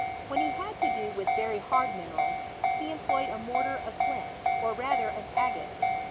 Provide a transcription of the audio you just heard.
When he had to do with very hard minerals, he employed & mortar of flint, or rather of agate.